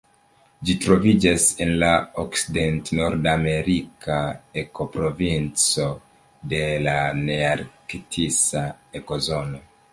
Ĝi troviĝas en la okcident-nordamerika ekoprovinco de la nearktisa ekozono.